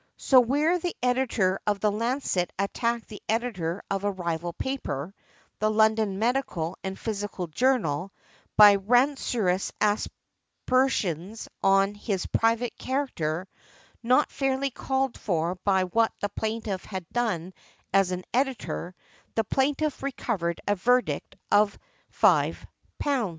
So where the editor of the Lancet attacked the editor of a rival paper, The London Medical and Physical Journal, by rancorous aspersions on his private character, not fairly called for by what the plaintiff had done as an editor, the plaintiff recovered a verdict of £5 .